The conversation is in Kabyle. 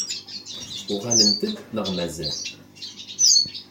Uɣalent-d neɣ mazal?